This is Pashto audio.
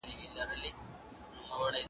ګنې ګلابه! خپلېده دې دومره سخته نه ده